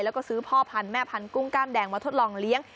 แล้วก็ซื้อพ่อพันธุ์แม่พันธุ้งกล้ามแดงมาทดลองเลี้ยง